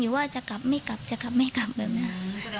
ว่าจะกลับไม่กลับจะกลับไม่กลับแบบนั้น